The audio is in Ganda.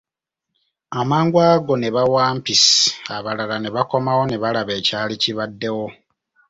Amangu ago ne bawampisi abalala ne bakomawo ne balaba ekyali kibaddewo.